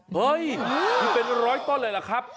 เฮ้ยมีเป็น๑๐๐ต้นอะไรล่ะครับ